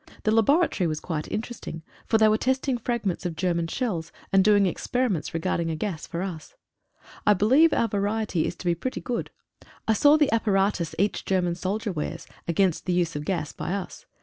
The laboratory was quite interesting, for they were testing fragments of German shells, and doing experiments re a gas for us. I believe our variety is to be pretty good. I saw the apparatus each German soldier wears, against the use of gas by us.